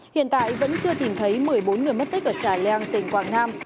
hiện tại vẫn chưa tìm thấy một mươi bốn người mất tích ở trà leng tỉnh quảng nam